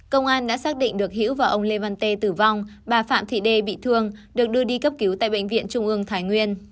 công an đã xác định được hiễu và ông lê văn tê tử vong bà phạm thị đê bị thương được đưa đi cấp cứu tại bệnh viện trung ương thái nguyên